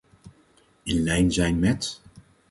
In lijn zijn met.